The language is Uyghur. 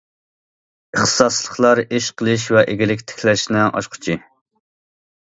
ئىختىساسلىقلار ئىش قىلىش ۋە ئىگىلىك تىكلەشنىڭ ئاچقۇچى.